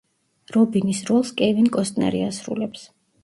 რობინის როლს კევინ კოსტნერი ასრულებს.